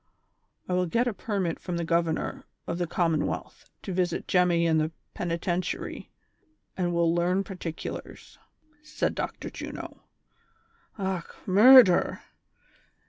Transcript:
I will get a permit from the Governor of the Commonwealth to visit Jemmy in the Penitentiary, and will learn particulars," said Dr. Juno. " Och, murdher